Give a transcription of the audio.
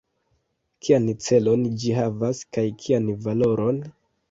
Kian celon ĝi havas, kaj kian valoron?